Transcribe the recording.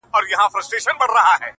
د نوي عمل پر بنسټ وړانديز کوي